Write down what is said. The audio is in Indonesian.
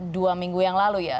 dua minggu yang lalu ya